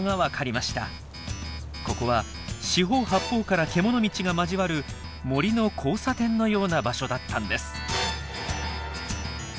ここは四方八方から獣道が交わる森の交差点のような場所だったんです。